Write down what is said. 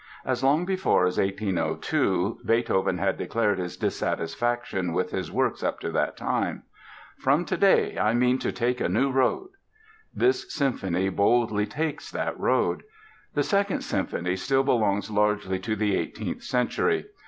As long before as 1802 Beethoven had declared his dissatisfaction with his works up to that time: "From today I mean to take a new road." This symphony boldly takes that road. The Second Symphony still belongs largely to the eighteenth century.